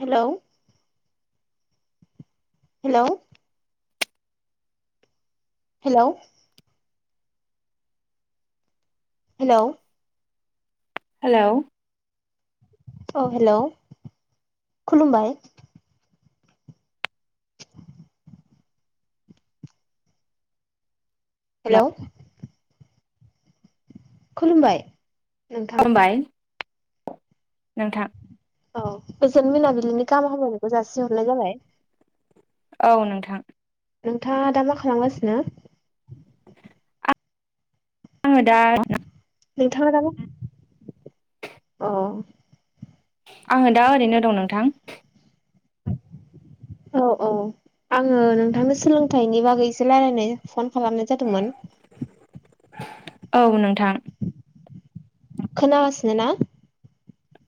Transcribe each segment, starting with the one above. Hello. Hello. Hello. Hello. Hello. औ hello [inaudible] खुलुमबाय। Hello खुलुमबाय नोंथां खुलुमबाय नोंथां औ गोजोन मोनाबिलिनि गाहाम हामलायनायखौ जासिहरनाय जाबाय औ नोंथां नोंथाङा दा मा खालामगासिनो आङो दा नोंथाङा दाबो ओ आङो दा ओरैनो दं नोंथां औ औ आङो नोंथांनो सोलोंथाइनि बागै एसे रायज्लायनो फन खालामनाय जादोंमोन औ नोंथां खोनाासनो ना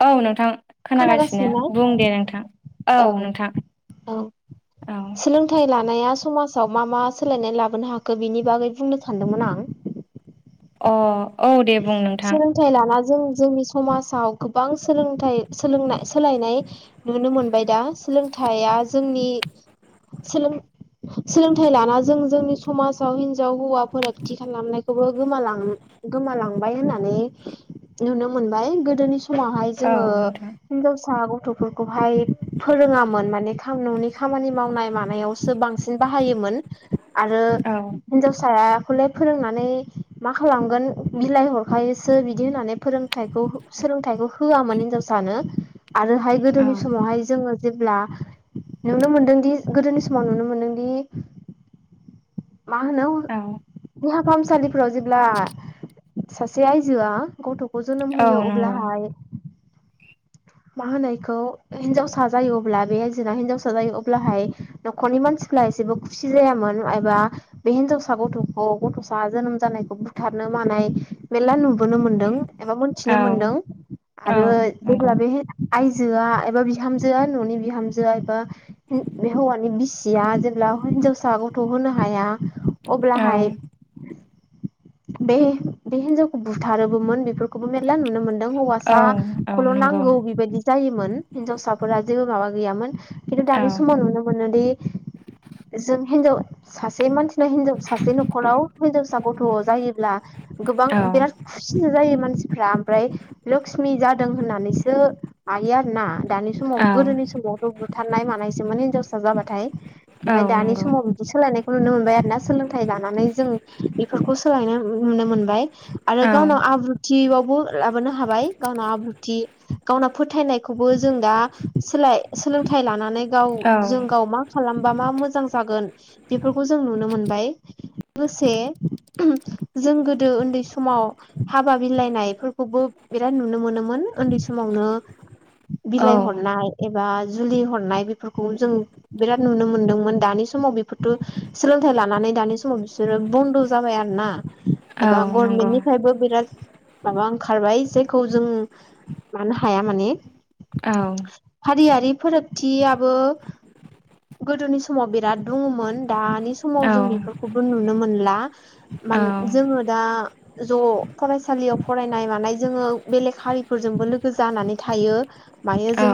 औ नोंथां खोनागासिनो बुं दे नोंथां औ नोंथां औ औ सोलोंथाइ लानाया समाजाव मा मा सोलायनाय लाबोनो हाखो बिनि बागै बुंनो सानदोंमोन आं अ औ दे बुं नोंथां सोलोंथाइ लानाय जों जोंनि समाजाव गोबां सोलायनाय नुनो मोनबाय दा सोलोंथाइया जोंनि सोलोंथाइ लाना जों जोंनि समाजाव हिनजाव हौवा फारागथि खालामनायखौबो गोमालां गोमालांबाय होननानै नुनो मोनबाय गोदोनि समावहाय औ जोङो नोंथां हिनजावसा गथ'फोरखौहाय फोरोङामोन माने ननि खामानि मावनाय मानायावसो बांसिन बाहायोमोन आरो औ हिनजावसा खौलाय फोरोंनानै मा खालामगोन बिलाइ हरखायोसो बिदि होननानै सोलोंथाइखौ होआमोन हिनजावसानो आरोहाय औ गोदोनि समावहाय जोङो जेब्ला नुनो मोनदोंदि गोदोनि समाव नुनो मोनदोंदि मा होनो औ देहा फाहामसालिफोराव जेब्ला सासे आइजोआ गथ' जोनोम औ होयो नंगौ अब्लाहाय मा होनो इखौ हिनजावसा जायो अब्ला बे जेब्ला हिन्जावसा जायो अब्लाहाय न'खरनि मानसि फोरा एसेबो खुसि जायामोन एबा बे हिनजावसा गथ'खौ गथ'सा जोनोम जानायखौ बुथारनो मानाय मेरला नुबोनो मोनदों एबा औ मोनथिनो मोनदों औ आरो नंगौ जेब्ला बे आइजोआ एबा बिहामजोआ न'नि बिहामजोआ एबा हौवानि बिसि या जेब्ला हिनजावसा गथ' होनो हाया औ अब्लाहाय बे बे हिनजावखौ बुथारोबोमोन बेफोरखौबो मेरला नुनो मोनदों औ औ हौवासाखौल' नंगौ नांगौ बेबायदि जायोमोन हिनजावसाफोरा जेबो माबा गैयामोन खिन्थु औ दानि समाव नुनो मोनोदि जों हिनजाव सासे मानसिना हिनजाव सासे न'खराव हिनजावसा गथ जायोब्ला गोबां औ बिराद खुसि जायो मानसिफ्रा लक्सिमि जादों होननानैसो हायो आरोना दानि समाव औ गोदोनि समावथ' बुथारनाय मानायसोमोन हिनजावसा जाबाथाय औ ओमफफ्राय दानि नंगौ समाव बिदि सोलायनायखौ नुनो मोनबाय आरोना सोलोंथाइ लानानै बेफोरखौ जों सोलायनाय नुनो मोनबाय आरो औ गावनाव आब्रुथियावबो लाबोनो हाबाय गावनाव आब्रुथि गावनाव फोथायनायखौबो जों दा सोलोंथाइ लानानै गाव औ जों गाव मा खालामबा मा मो जां जागोन बेफोरखौ जों नुनो मोनबाय लोगोसे जों गोदो ओन्दै समाव हाबा बिलाइनायफोरखौबो बिराद नुनो मोनोमोन। ओन्दै समावनो औ बिलाइ हरनाय। एबा जुलि हरनाय बेफोरखौ जों बिराद नुनो मोनदोंमोन दानि समाव बेफोरथ' सोलों थाय लानानै दानि समाव बिसोरो बन्द' जाबाय आरो ना औ एबा नंगौ गरनमेन्टनिफायबो बिराद माबा ओंखारबाय जायखौ जों मानो हाया माने औ हारियारि फोरोगथियाबो गोदोनि समाव बिराद दुङमोन दानि समाव जों औ बेफोरखौबो नुनो मोनला। मान जोङो दा ज फरायसालियाव फरायनाय मानाय जोङो बेलेक हारि। फोरजोंबो लोगो जानानै थायो मायो औ जों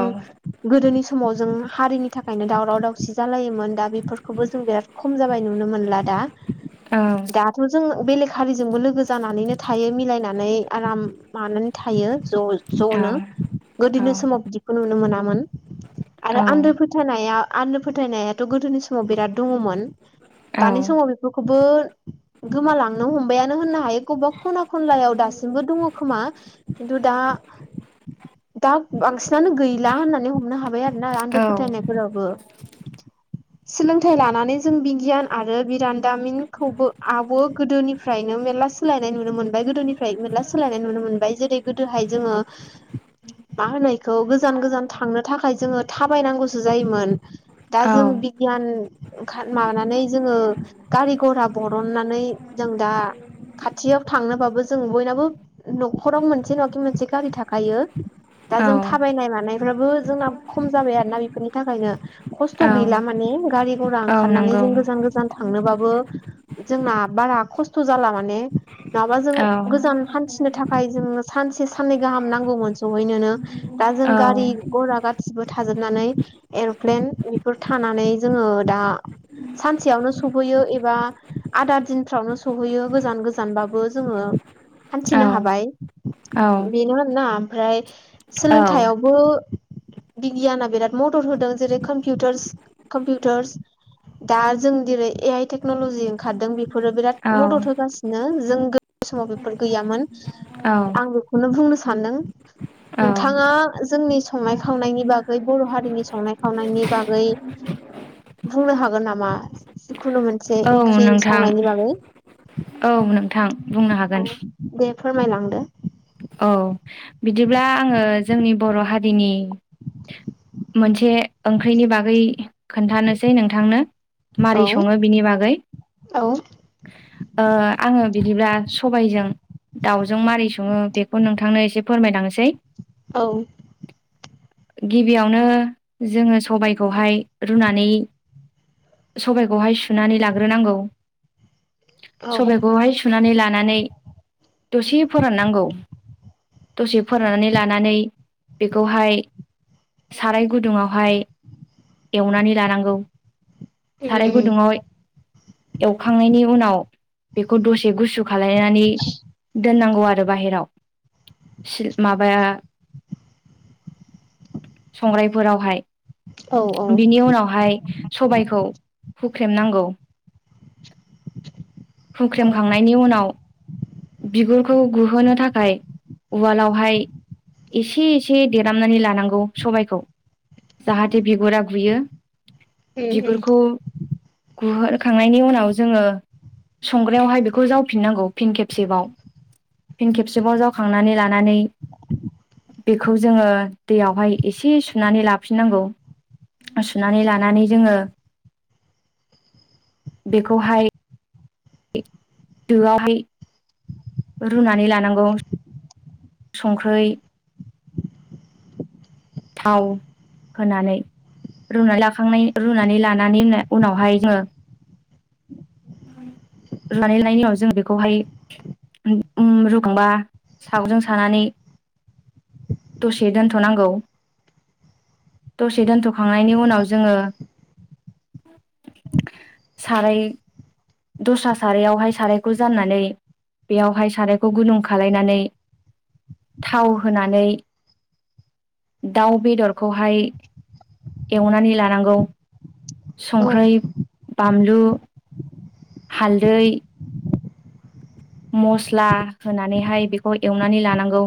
गोदोनि समाव जों हारिनि थाखाय दावराव दावसि जालायोमोन दा बेफोरखौबो जों बिराद खम जाबाय नुनो मोनला दा। औ दाथ' जों बेलेक हारिजोंबो लोगो जानानैनो थायो मिलायनानै आराम मानानै थायो । ज' ज'नो गोदोनि समाव बिदिखौ नुनो मोनामोन। आरो आन्दो फोथायनाया आन्दो फोथायनायाथ' गोदोनि समाव बिराद दङमोन। दानि समाव बेफोरखौबो गोमालांनो हमबायानो होननो हायो गबबा खना खनलायाव दासिमबो दङ खोमा खिन्थु दा दा बांसिनानो गैला होननानै हमनो हाबाय आरो ना औ आन्दो फोथायनाय फोरावबो सोलोंथाइ लानानै जों बिगियान आरो बिरान्दामिनखौबो आबो गोदोनिफ्रायनो मेरला सोलायनाय नुनो मोनबाय गोदोनिफ्राय मेरला सोलायनाय नुनो मोनबाय जेरै गोदोहाय जोङो मा होनो एखौ गोजान गोजान थांनो थाखाय जोङो थाबायनांगौसो जायोमोन। दा औ जों बिगियान ओंखा माबानानै जोङो गारि घरा बरननानै जों दा खाथियाव थांनोबाबो जों बयनाबो न'खराव मोनसे नआखि मोनसे गारि थाखायो। दा जों थाबायनाय मानायफ्राबो जोंना खम जाबाय आरो ना बेफोरनि थाखायनो। खस्थ' औ गैला माने गारि घरा औ ओंखारनानै नंगौ जों गोजान गोजान थांनोबाबो जोंना बारा खस्थ' जाला माने नङाबा जों औ गोजान हान्थि नो थाखाय सानसे साननै गाहाम नांगौमोन सहैनोनो दा जों औ गारि घरा गा सिबो थाजोबनानै एर'प्लेन बेफोर थानानै जोङो दा सानसेयावनो सफैयो एबा आदा दिनफ्रावनो सहैयो गोजान गोजानबाबो जोङो। औ हान्थिनो हाबाय बेनो आरोना ओमफ्राय औ सोलोंथाइयावबो बिगियाना बिराद मदद होदों जेरै कम्पिउटारस कम्पिउटारस दा जों दिरै ए आइ टेक्न'ल'जि खारदों बेफोरो बिराद मदद होगासिनो जों गो समाव बेफोर गैयामोन आं बेखौनो बुंनो सानदों औ नोंथाङा जोंनि संनाय खावनायनि बागै बर' हारिनि सं संनाय खावनायनि बागै बुंनो हागोन नामा? जिखुनु मोनसे औ ओंख्रि नोंथां संनायनि बागै औ नोंथां बुंनो हागोन औ दे फोरमायलांदो। औ बिदिब्ला आङो जोंनि बर' हारिनि मोनसे ओंख्रिनि बागै खोन्थानोसै नोंथांनो। मारै औ सङो बिनि बागै औ ओ आङो बिदिब्ला सबायजों दाउजों मारै सङो बेखौ नोंथांनो एसे फोरमायलांनोसै औ गिबियावनो जोङो सबायखौहाय रुनानै सबायखौहाय सुनानै लाग्रोनांगौ। औ सबायखौहाय सुनानै लानानै दसे फोराननांगौ। दसे फोराननानै लानानै बेखौहाय साराय गुदुङावहाय एवनानै लानांगौ। साराय गुदुङाव एवखांनायनि उनाव बेखौ दसे गुसु खालायनानै दोननांगौ आरो बाहेराव माबाया संग्रायफोरावहाय बिनि उनावहाय सबायखौ हुख्रेमनांगौ खुख्रेमखांनायनि उनाव बिगुरखौ गुहोनो थाखाय उवालावहाय एसे एसे देरामनानै लानांगौ सबायखौ जाहाथे बिगुरा गुयो बिगुरखौ गुहो होखांनायनि उनाव जोङो संग्रायावहाय बेखौ जावफिननांगौ फिन खेबसेबाव फिन खेबसेबाव जावखांनानै लानानै बेखौ जोङो दैयावहाय एसे सुनानै लाफिननांगौ सुनानै लानानै जोङो बेखौहाय दोआवहाय रुनानै लानांगौ संख्रै [inaudible] थाव होनानै रुनानै लाखां रुनानै लानानै उनावहाय जोङो [inaudible] लानाय लानाय उनाव जों बेखौहाय रुखुंबा सावजों सानानै दसे दोनथ'नांगौ दसे दोन्थ'खांनायनि उनाव जोङो साराय दस्रा सारयावहाय सारायखौ जाननानै बेयावहाय सारायखौ गुलुं खालायनानै थाव होनानै दाउ बेदरखौहाय एवनानै लानांगौ उम संख्रै बानलु हालदै मस्ला होनानैहाय बेखौ एवनानै लानांगौ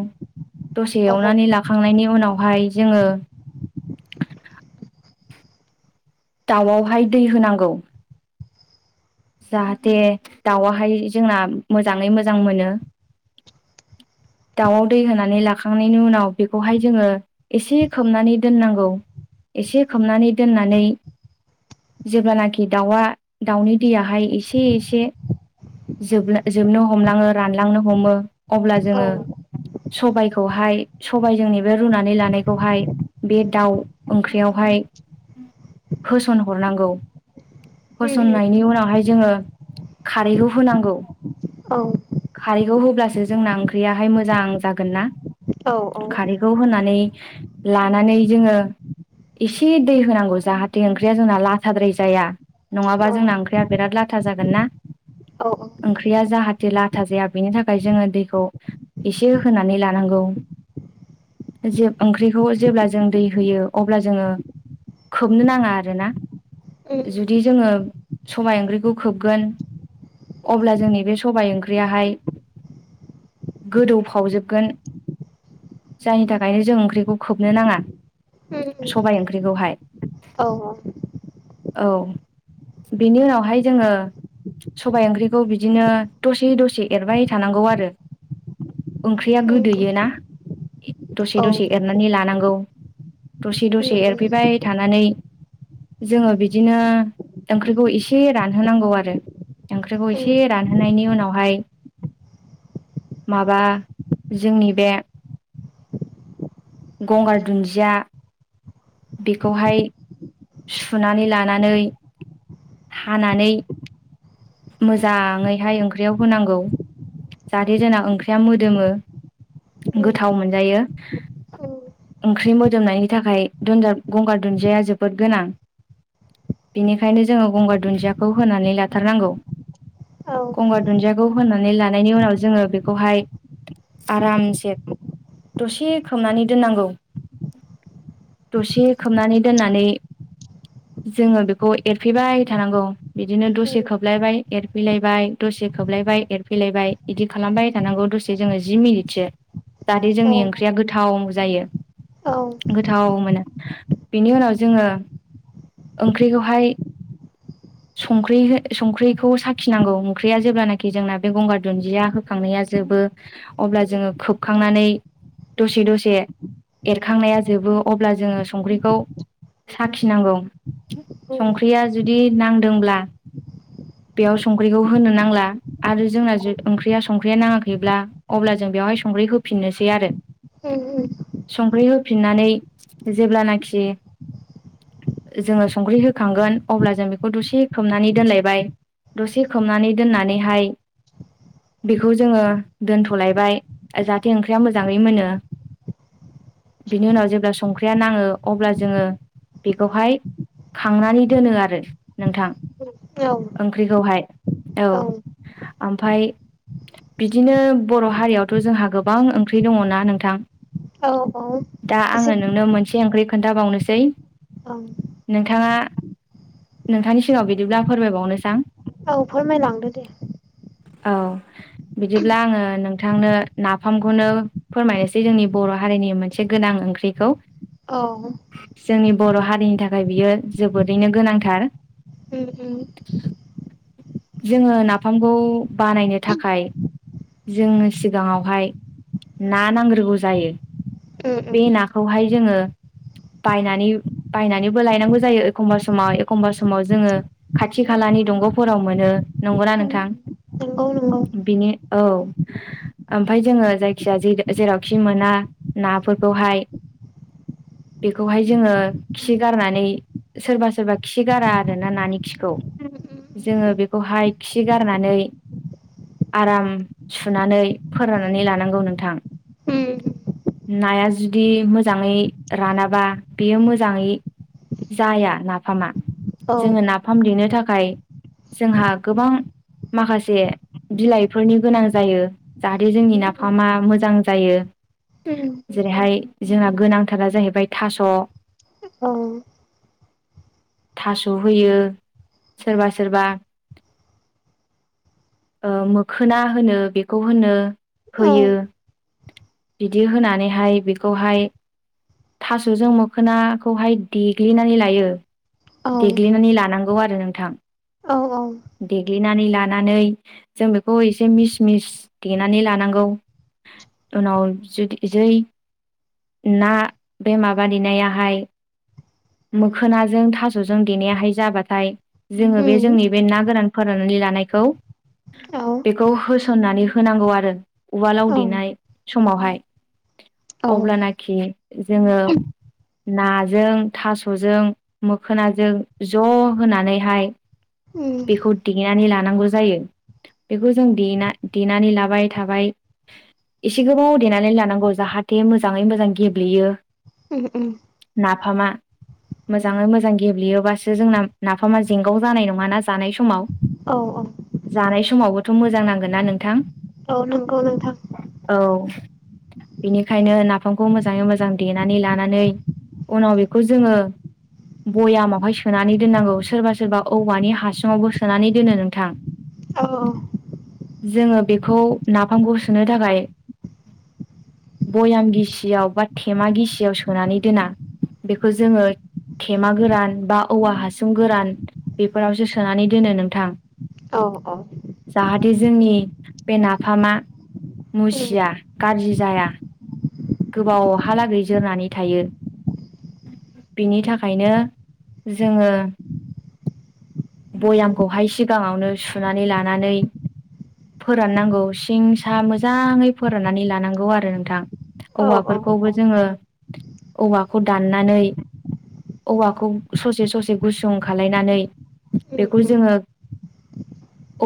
दसे औ औ एवनानै लाखांनायनि उनावहाय जोङो दाउआवहाय दै होनांगौ जाहाथे दाउआहाय जोंना मोजाङै मोजां मोनो [inaudible] दाउआव दै होनानै लाखांनायनि उनाव बेखौहाय जोङो एसे खोबनानै दोननांगौ एसे खोबनानै दोननानै जेब्लानाखि दाउआ दाउनि दैयाहाय एसे एसे जोब जोबनो हमलाङो रानलांनो हमो अब्ला औ जोङो सबाइखौहाय सबजोंनि बे रुनानै लानायखौहाय बे दाउ ओंख्रियावहाय होसन हरनांगौ होसननायनि उनावहाय जोङो खारैखौ होनांगौ औ खारैखौ होब्लासो जोंना ओंख्रियाहाय मोजां जागोन ना औ खारैखौ होनानै लानानै जोङो एसे दै होनांगौ जाहाथे ओंख्रिया जोंना लाथाद्राय जाया नङाबा जोंना ओंख्रिया बिराद लाथा जागोन ना ओंख्रिया जाहा जे लाथा जाया बेनि थाखाय जोङो दैखौ एसे होनानै लानांगौ जे ओंख्रिखौ जेब्ला जों दै होयो अब्ला जोङो खोबनो नाङा आरोना जुदि जोङो सबायाइ ओंख्रिखौ खोबगोन अब्ला जोंनि बे सबबाय ओंख्रियाहाय गोदौफावजोबगोन जायनि थाखायनो जों ओंख्रिखौ खोबनो नाङा सबाय ओंख्रिखौहाय औ औ बेनि उनावहाय जोंङो सबाय ओंख्रिखौ बिदिनो दसे दसे एरबाय थानांगौ आरो ओंख्रिया गोदोयोना औ दसे दसे एरनानै लानांगौ गौ दसे दसे उम उम एरफैबाय थानानै जोंङो बिदिनो ओंख्रिखौ एसे रानहोनांगौ आरो। ओंख्रिखौ उम एसे रानहोनायनि उनावहाय माबा जोंनि बे गंगार दुन्जिया बेखौहाय सुनानै लानानै हानानै मोंजाङै हाय ओंख्रियाव होनांगौ जाहाथे जोना ओंख्रिया मोदोमो उम गोथाव मोनजायो। ओंख्रि मोदोमनायनि थाखाय दुनजा गंगार दुन्जाया जोबोद गोनां बेनिखायनो जोंङो गंगार दुन्जाखौ फोनानै लाथारनांगौ। औ गंगार दुन्दियाखौ फोनानै लानायनि उनाव जोंङो बेखौहाय आरामसे दसे खोबनानै दोननांगौ दसे खोबनानै दोननानै जोंङो बेखौ एरफैबाय थानांगौ बिदिनो दसे उम खोबलायबाय एरफैलायबाय दसे खोबलायबाय एरफैलायबाय इदि खालामबाय थानांगौ दसे जोंङो जि मिनिटसो जाहाथे जोंनि औ ओंख्रिया गोथाव जायो औ औ गोथाव मोनो बिनि उनाव जोंङो ओंख्रिखौहाय संख्रै संख्रैखौ साखिनांगौ ओंख्रिया जेब्लानाखि जोंना बे गंगार दुन्जिया होखांनाया जोबो बो अब्ला जोंङो खोबखांनानै दसे दसे एरखांनाया जोबो अब्ला जोंङो संख्रैखौ साखिनांगौ संख्रैया जुदि नांदोंब्ला बेयाव संख्रैखौ होनो नांला आरो जोंना जि ओंख्रिया संख्रैया नाङाखैब्ला अब्ला जों बेयाव संख्रै होफिननोसै आरो उम उम संख्रै होफिननानै जेब्लानाखि जोंङो संख्रै होखांगोन अब्ला जों बेखौ दसे खोबनानै दोनलायबाय। दसे खोबनानै दोननानैहाय बेखौ जोंङो दोनथ' लायबाय जाहाथे ओंख्रैया मोजांङै मोनो बिनि उनाव जेब्ला संख्रैया नाङो अब्ला जोंङो बेखौहाय खांनानै दोनो आरो नोंथां औ ओंख्रैखौहाय औ। ओमफ्राय बिदिनो बर' हारियावथ जोंहा गोबां ओंख्रै दङना नोंथां। दा आङो नोंनो मोनसे ओंख्रै खोन्थाबावनोसै नोंथाङा नोंथांनि सिगाङाव बिदिब्ला फोरमायबावनोसां औ फोरमायलांदो दे औ। बिदिब्ला आंङो नोंथांनो नाफामखौनो फोरमायनोसै जोंनि बर' हारिनि मोनसे गोनां ओंख्रिखौ औ जोंनि बर' हारिनि थाखाय बियो जोबोरैनो गोनांथार उम उम जोङो नाफामखौ बानायनो थाखाय जोंनो सिगाङावहाय ना नांग्रोगौ जायो। बे उम नाखौहाय जोङो बायनानै बायनानैबो लायनांगौ जायो एखमबा समाव एखमबा समाव जोङो खाथि खाला नि दंग'फोराव मोनो नंगौना उम नोंथां नंगौ नंगौ बिनि औ ओमफाय जोङो जायखिजाया जेरावखि मोना नाफोरखौहाय [unintelligible] बेखौहाय जोङो खि गारनानै सोरबा सोरबा खि गारा आरो ना नानि खिखौ [unintelligible] जोङो बेखौहाय खि गारनानै आराम सुनानै फोराननानै लानांगौ नोंथां। नाया जुदि मोजाङै रानाबा बेयो मोजाङै जाया नाफामा औ जोङो नाफाम देनो थाखाय जोंहा गोबां माखासे बिलाइफोरनि गोनां जायो जाहाथे जोंनि नाफामा मोजां जायो। जेरैहाय जोंहा गोनांथारा जाहैबाय थास' औ थास' होयो सोरबा सोरबा मोखोना होनो बेखौ होनो औ होयो। बिदि होनानैहाय बेखौहाय थास'जों मोखोनाखौहाय देग्लिनानै लायो। औ देग्लिनानै लानांगौ आरो नोंथां औ औ देग्लिनानै लानानै जों बेखौ एसे मिस मिस देनानै लानांगौ। उनाव जुदि जै ना बे माबा देनायाहाय मोखोनाजों थास जों देनायाहाय जाबाथाय जोङो बे उम जोंनि बे ना गोरान फोराननानै लानायखौ औ बेखौ होसननानै होनांगौ आरो। उवालाव औ देनाय समावहाय औ उम अब्लानाखि जोङो नाजों थास'जों मो खोनाजों ज' होनानैहाय उम बेखौ देनानै लानांगौ जायो। बेखौ जों देना देनानै लाबाय थाबाय। एसे गोबाव देनानै लानांगौ जाहाथे मोजाङै मोजां गेब्लेयो उ उ फामा मोजाङै मोजां गेब्लेयोबासो जोंना नाफामा जेंगाव जानाय नङाना जानाय समाव औ औ जानाय समावबोथ' मोजां नांगोन ना नोंथां? औ नंगौ नोंथां। औ बेनिखायनो नाफामखौ मोजाङै मोजां देनानै लानानै उनाव बेखौ जोङो बयामावहाय सोनानै दोननांगौ सोरबा सोरबा औवानि हासुङावबो सोनानै दोनो नोंथां। औ औ जोङो बेखौ नाफामखौ सोनो थाखाय बयाम गिसियाव बा थेमा गिसियाव सोनानै दोना बेखौ जोङो थेमा गोरान बा औवा हासुं गोरान बेफोरावसो सोनानै दोनो नोंथां औ औ जाहाथे जोंनि बे नाफामा उम मुसिया गाज्रि जाया। गोबावहालागै जोरनानै थायो। बिनि थाखायनो जोङो भयामखौहाय सिगाङावनो सुनानै लानानै फोराननांगौ सिं सा मोजाङै फोराननानै लानांगौ आरो नोंथां। औ औ औवाफोरखौबो जोङो औवाखौ दाननानै औवाखौ ससे ससे गुसुं खालायनानै उम बेखौ उम जोङो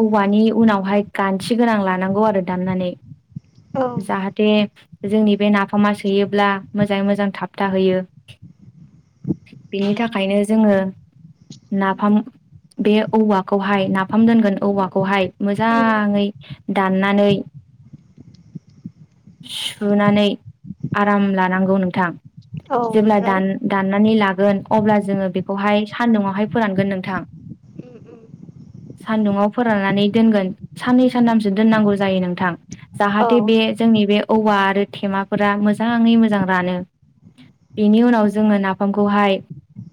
औवानि उनावहाय गान्थि गोनां लानांगौ आरो दामनानै औ जाहाथे जोंनि बे नाफामा सोयोब्ला मोजाङै मोजां थाबथाहोयो। [inaudible] बिनि थाखायनो जोङो नाफाम बे औवाखौहाय नाफाम दोनगोन औवाखौहाय मोजा उम ङै दाननानै सुनानै आराम लानांगौ नोंथां। औ जेब्ला ओमफ्राय दान दाननानै ला गोन अब्ला जोङो बेखौहाय सान्दुंआवहाय फोरानगोन नोंथां। उम उम सान्दुंआव फोराननानै दोनगोन। साननै सानथामसो दोननांगौ जायो नोंथां औ जाहाथे बे उम जोंनि बे औवा आरो थेमाफोरा मोजाङै मोजां रानो। बेनि उनाव जोङो नाफामखौहाय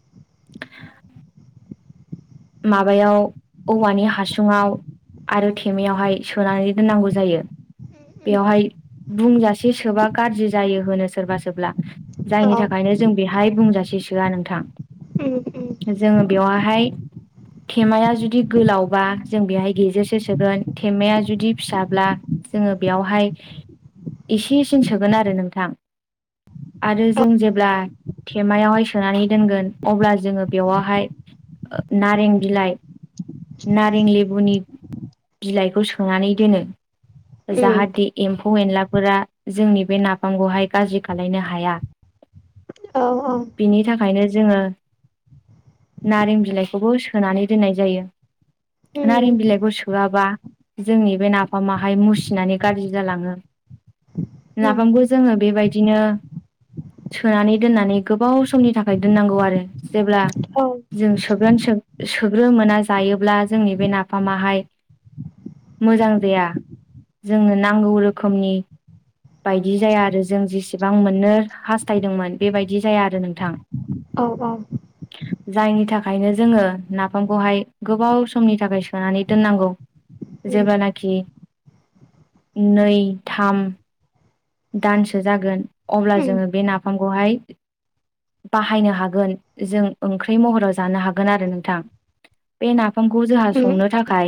[inaudible] माबायाव औवानि हासुुंआव। आरो थेमायावहाय सोनानै दोननांगौ जायो। उम बेवहाय बुंजासे सोबा गाज्रि जायो होनो सोरबा सोब्ला। जायनि औ थाखायनो जों बेहाय बुंजासे सोआ नोंथां। जोङो बेवहाय [inaudible] थेमाया जुदि गोलावबा जों बेहाय गेजेरसो सोगोन थेमाया जुदि फिसाब्ला जों ङो बेयावहाय एसेसिन सोगोन आरो नोंथां। आरो जों जेब्ला थेमायावहाय सोनानै दोनगोन अब्ला जोङो बेवहाय ओ नारें बिलाइ नारें लेबुनि बिलाइखौ सोनानै दोनो। जाहाथे एम फौ एनलाफोरा जोंनि बे नाफामखौहाय गाज्रि खालायनो हाया। बिनि थाखायनो जोङो नारें बिलाइ खौ सोनानै दोननाय जायो नारें बिलाइखौ सोआबा जोंनि बे नाफामाहाय मुसिनानै गाज्रि जालाङो। नाफामखौ जोङो बेबायदिनो सोनानै दोननानै गोबाव समनि थाखाय दोननांगौ आरो जेब्ला जों सो गोन सो-सोग्रोमोना जायोब्ला जोंनि बे नाफामाहाय मोजां जाया जोंनो नांगौ रोखोमनि बायदि जाया आरो जों जेसेबां मोननो हास्थायदोंमोन बेबायदि जाया आरो नोंथां। औ औ। जायनि थाखायनो जोङो नाफामखौहाय गोबाव समनि थाखाय सोनानै दोननांगौ। जेब्लानाखि नै थाम दानसो जागोन अब्ला जोङो बे नाफामखौहाय बाहायनो हागोन जों ओंख्रि महराव जानो हागोन आरो नोंथां। बे नाफामखौ जोंहा संनो थाखाय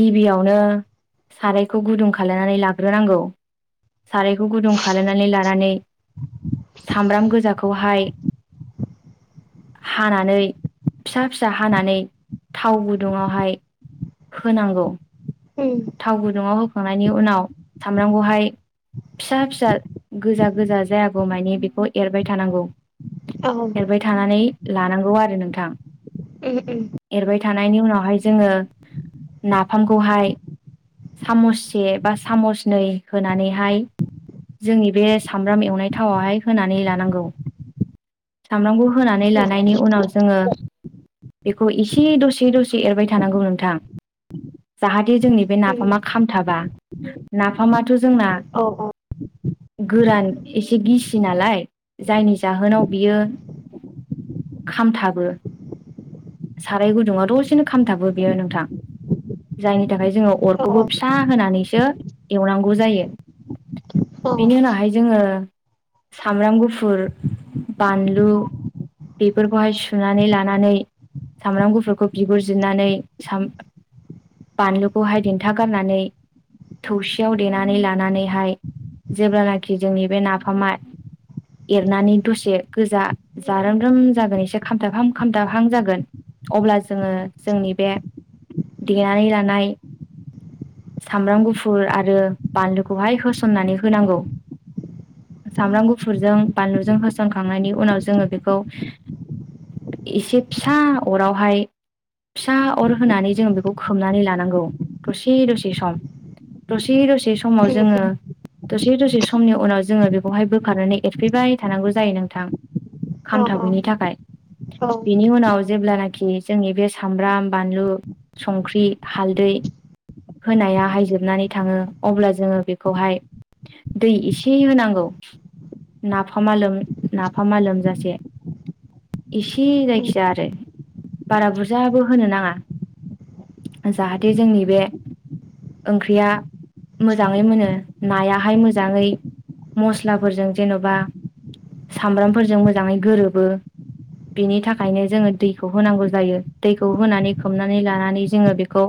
गिबियावनो सारायखौ गुदुं खालामनानै ला हग्रोनांगौ सारायखौ गुदुं खालामनानै लानानै सामब्राम गोजाखौहाय हानानै फिसा फिसा हानानै थाव गुदुङावहाय होनांगौ थाव गुदुङाव होखांनायनि उनाव सामब्रामखौहाय फिसा फिसा गोजा गोजा जायागौ मानि बेखौ एरबाय थानांगौ एरबाय थानानै लानांगौ आरो नोंथां उम उम एरबाय थानायनि उनावहाय जोङो नाफामखौहाय सामससे बा सामसनै होनानैहाय जोंनि बे सामब्राम एवनाय थावावहाय होनानै लानांगौ सामब्रामखौ होनानै लानायनि उनाव जोङो बेखौ एसे दसे दसे एरबाय थानांगौ नोंथां जाहाथे जोंनि बे नाफामा खामथाबा नाफामाथ' जोंना गोरान एसे गिसि नालाय जायनि जाहोनाव बियो खामथाबो साराय गुदुङा दसेनो खामथाबो बेयो नोंथां जायनि थाखाय जोङो अरखौबो फिसा होनानैसो एवनांगौ जायो बेनि उनावहाय जोङो सामब्राम गुफुर बानलु बेफोरखौहाय सुनानै लानानै सामब्राम गुफुरफोरखौ बिगुरजिरनानै बानलुखौहाय देन्था गारनानै थौसियाव देनानै लानानैहाय जेब्लानाखि जोंनि बे नाफामा एरनानै दसे गोजा जारोम रोम जागोन एसे खामथाब खाम खामथाब रां जागोन अब्ला जोङो जोंनि बे देनानै लानाय सामब्राम गुफुर आरो बानलुखौहाय होसननानै होनांगौ सामब्राम गुफुरजों बानलुजों होसनखांनायनि उनाव जोङो बेखौ एसे फिसा अरावहाय फिसा अर होनानै जोङो बेखौ खोबनानै लानांगौ दसे दसे सम दसे दसे समाव जोङो दसे दसे समनि उनाव जोङो बेखौहाय बोखारनानै एरफैबाय थानांगौ जायो नोंथां औ औ औ बेनिउनाव जेब्लानाखि जोंनि बे सामब्राम, बानलु, संख्रि, हालदै, होनायाहायजोबनानै थाङो अब्ला जोङो बेखौहाय दै एसे होनांगौ नाफामा लो नाफामा लोमजासे एसेयै जायखिया आरो बारा बुरजाबो होनो नाङा जाहाथे जोंनि बे ओंख्रिया मोजाङै मोनो नायाहाय मोजाङै मस्लाफोरजों जेन'बा सामब्रामफोरजों मोजाङै गोरोबो बेनि थाखाय नों ओंखायनो जोङो दैखौ होनांगौ जायो दैखौ होनानै खोबनानै लानानै जोङो बेखौ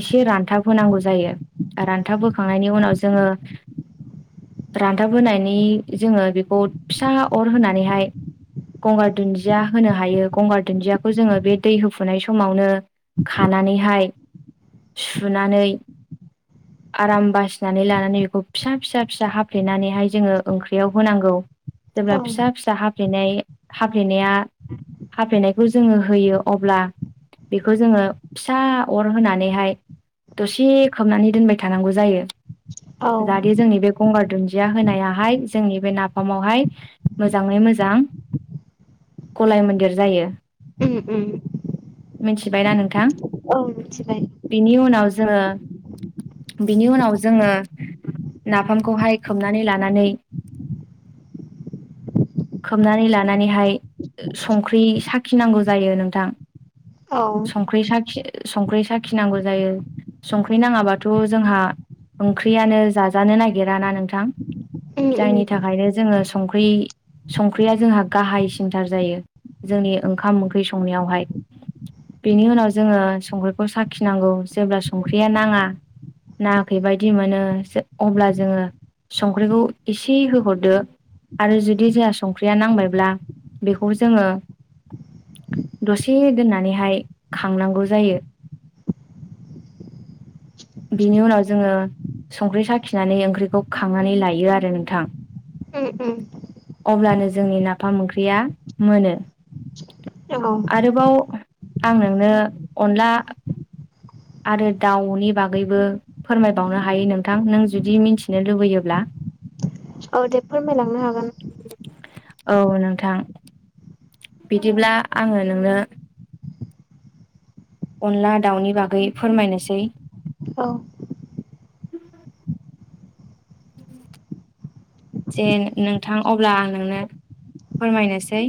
एसे रानथाब होनांगौ जायो रानथाब होखांनायनि उनाव जोङो रानथाबोनायनि जोङो बेखौ फिसा अर होनानैहाय गंगार दुन्दिया होनो हायो गंगार दुन्दियाखौ जोङो बे दै होफुनाय समावनो खानानैहाय सुनानै [inaudible] आराम बासिनानै लानानै बेखौ फिसा फिसा फिसा हाफ्लेनानैहाय जोङो ओंख्रियाव होनांगौ जेब्ला फिसा फिसा हाफ्लेनाय हफ्लेनाया हाफ्लेनायखौ जोङो होयो अब्ला बेखौ जोङो फिसा अर होनानैहाय। दसे खोबनानै दोनबाय थानांगौ जायो जाहाथे जोंनि बे गंगार दुदिया होनायाहाय जोंनि बे नाफामावहाय मोजाङै मोजां [inaudible] [unintelligible] गलाय मन्दिर जायो। उ उ। मिथिबायनाा नोंथां? औ मिथिबायबाय। बिनि उनाव जोङो। बिनि उनाव जोङो नाफामखौहाय खोबनानै लानानै [inaudible] [unintelligible] खोबनानै लानानैहाय। संख्रि साखिनांगौ जायो नोंथां औ उम संख्रि साखि संख्रि साखिनांगौ जायो संख्रि नाङाबाथ' जोंहा ओंख्रियानो जाजानो नागिरा ना नोंथां। उम जायनि थाखायनो जोङो संख्रि संख्रिया जोंहा गाहायसि सिंथार जायो जोंनि ओंखाम ओंख्रि संनायावहाय। बेनि उनाव जोङो संख्रिखौ साखिनांगौ जेब्ला संख्रिया नाङा नाङाखै बायदि मोनो अब्ला जोङो संख्रिखौ एसे होहरदो आरो जुदि जोंहा संख्रिया नांबायब्ला बेखौ जोङो दसे दोननानैहाय खांनांगौ जायो। बिनि उनाव जोङो संख्रि साखिनानै ओंख्रिखौ खांनानै लायो आरो नोंथां। म म। अब्लानो जोंनि नाफाम ओंख्रिया मोनो उम। आरोबाव आं नोंनो अनला आरो दाउनि बागैबो फोरमायबावनो हायो नोंथां नों जुदि मिथिनो लुबैयोब्ला। औ दे फोरमायलांनो हागोन। औ नोंथां बिदिब्ला आङो नोंनो अनला दाउनि बागै फोरमायनोसै। औ। [unintelligible] [inaudible] जे नोंथां अब्ला आं नोंनो फोरमायनोसै।